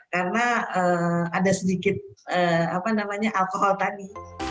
karena ada sedikit apa namanya alkohol tadi